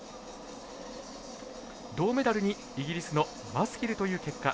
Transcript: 銅メダルにイギリスのマスキルという結果。